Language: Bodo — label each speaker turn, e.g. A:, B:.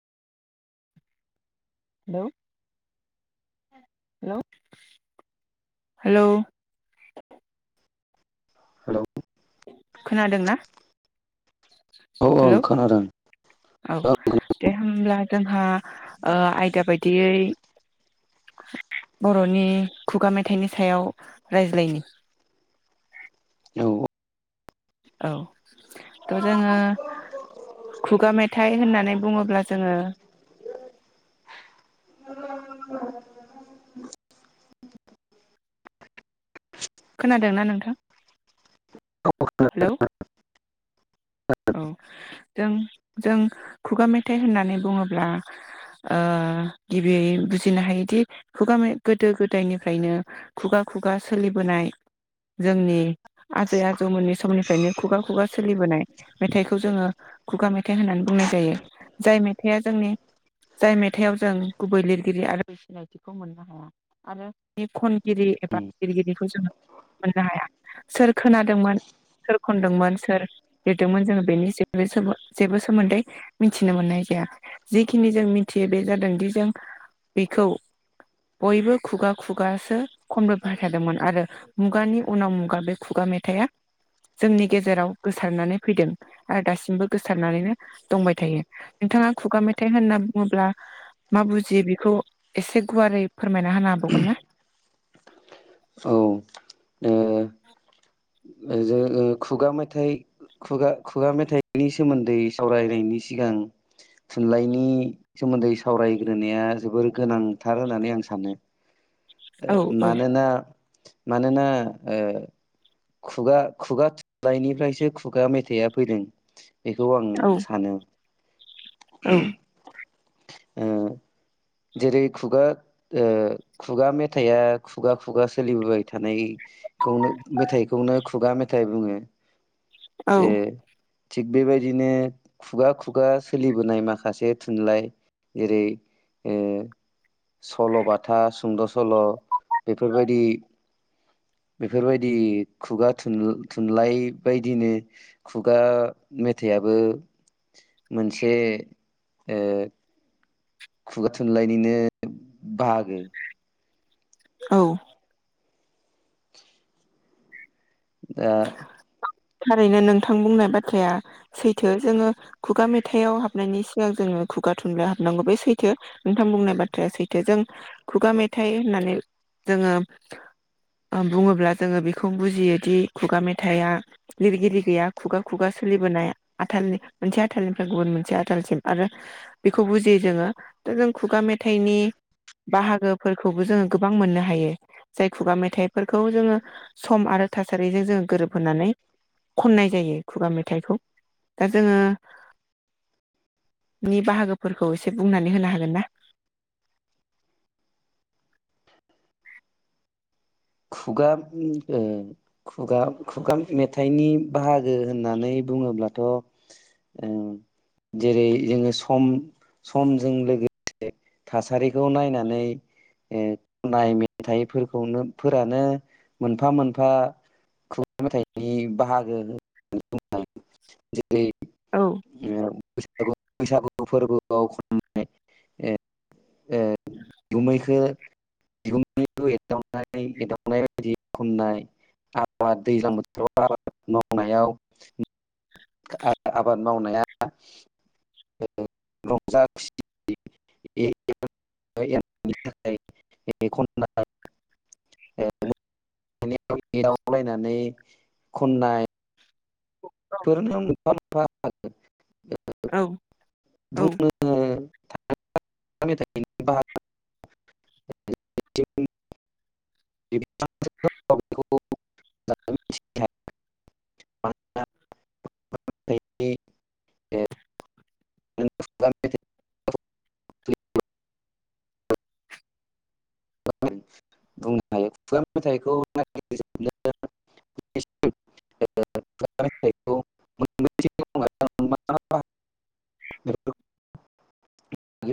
A: हेलौ हेलौ हेलौ
B: हेलौ
A: खोनादोंना?
B: औ ओं
A: हेलौ
B: खोनादों
A: औ
B: ओं
A: दे होमब्ला जोंहा ओ आयदा बायदियै बर'नि खुगा मेथाइनि सायाव रायज्लायनि
B: खोनादों औ
A: औ थ' जोङो खुगा मेथाइ होननानै बुङोब्ला जोङो खोनादोंना नोंथां? हेल' औ जों जों खुगा मेथाइ होननानै बुङोब्ला ओ गिबियै बुजिनो हायोदि खुगा मे गोदो गोदाय निफ्रायनो खुगा खुगा सोलिबोनाय जोंनि आजै आजौ मोननि समनि- फ्रायनो खुगा खुगा सोलिबोनाय। मेथाइखौ जोङो खुगा मेथाइ होननानै बुंनाय जायो। जाय मेथाइआ जोंनि जाय मेथाइ आव जों गुबै लिरगिरि आरो सिनायथिखौ मोननो हाया आरो बे खनगिरि एबा
B: उम
A: लिरगिरिखौ जोङो मोननो हाया सोर खोना दोंमोन सोर खनदोंमोन सोर लिरदों मोन जोङो बेनि जेबो सोमो जेबो सोमोन्दै मिथिनो मोननाय जाया जिखिनि जों मिथियो बे जादोंदि जों बेखौ बयबो खुगा खुगासो खनबो बाय थादोंमोन आरो मुगानि उनाव मुगा बे खुगा मेथाइआ जोंनि गेजेराव गोसारनानै फैदों आरो दासिमबो गोसारनानैनो दंबाय थायो। नोंथाङा खुगा मेथाइ होनना बुङोब्ला मा बुजियो बेखौ एसे गुवारै फोरमायना होनो हाबावगोन ना?
B: औ। जो ओ खुगा मेथाइ खुगा खुगा मेथाइनि सोमोन्दै सावराय नायनि सिगां थुनलाइनि सोमोन्दै सावराय ग्रोनाया जोबोर गोनां थार होननानै आं सानो।
A: औ
B: ओ मानोना मानोना ओ खुगा खुगा थुनलाइ निफ्रायसो खुगा मेथाइआ फैदों। बेखौ आं
A: औ
B: सानो। ओहम।
A: औ
B: ओ जेरै खुगा ओ खुगा मेथाइ आ खुगा खुगा सोलिबो बाय थानाय खौनो मेथाइ खौनो खुगा मेथाइ बुङो।
A: औ
B: जे थिग बेबायदिनो खुगा खुगा सोलिबोनाय माखासे थुनलाइ जेरै ओ सल'बाथा, सुंद' सल' बेफोर बायदि बेफोर बायदि खुगा थुन थुनलाइ बायदिनो खुगा मेथाइयाबो मोनसे ओ खुगा थुनलाइ निनो बाहागो।
A: औ
B: आ
A: थारैनो नोंथां बुंनाय बाथ्राया सैथो जोङो खुगा मेथाइलआव हाबनायनि सिगां जोङो खुगा थुनलाइ याव हाबनांगौ बे सैथो नोंथां बुंनाय बाथ्राया सैथो जों खुगा मेथाइ होननानै जोङो ओ बुङोब्ला जोङो बेखौ बुजियो दि खुगा मेथाइ आ लिरगिरि गैया खुगा खुगा सोलिबोनाय आथालनि मोनसे आथालनिफ्राय गुबुन मोनसे आथालसिम आरो बेखौ बुजियो जोङो दा जों खुगा मेथाइनि बाहागो फोरखौबो जोङो गोबां मोननो हायो जाय खुगा मेथाइ फोरखौ जोङो सम आरो थासारिजों जोङो गोरोब होनानै खननाय जायो खुगा मेथाइखौ दा जोङो नि बाहागो फोरखौ एसे बुंनानै होनो हागोन ना?
B: खुगा ओ खुगा खुगा मेथाइनि बाहागो होननानै बुङोब्लाथ' ओ जेरै जोङो सम समजों लोगो थासारिखौ नायनानै ओ खनाय मेथाइ फोरखौनो फोरानो मोनफा मोनफा खुगा मेथाइनि बाहागो [unintelligible] रै
A: औ
B: ओ बैसागु बैसागु। फोरबो आव खनाय ओ ओ बिगुमैखौ बिगुमैखौ एदावनाय एदावनाय बायदि खननाय आबाद दैजलां बोथोराव आबाद मावनायाव आबाद मावनाया [inaudible] ओ रंजा खुसि [inaudible] थाखाय [inaudible] एदाव लायनानै खननाय [unintelligible]
A: ओ औ
B: बुंनो [unintelligible] [unintelligible] [unintelligible] बुंनो हायो [unintelligible]